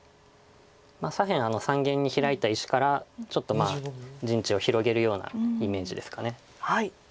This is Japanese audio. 左辺三間にヒラいた石からちょっと陣地を広げるようなイメージですか。